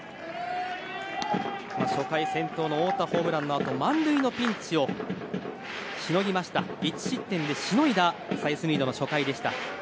初回、先頭の太田ホームランのあと満塁のピンチを１失点でしのいだサイスニードの初回。